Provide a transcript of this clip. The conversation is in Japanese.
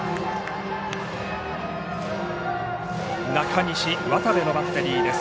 中西、渡部のバッテリーです。